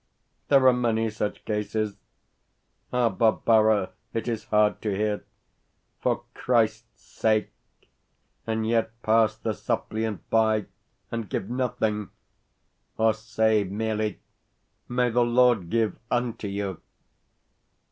There are many such cases. Ah, Barbara, it is hard to hear "For Christ's sake!" and yet pass the suppliant by and give nothing, or say merely: "May the Lord give unto you!"